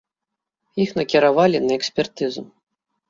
Іх накіравалі на экспертызу.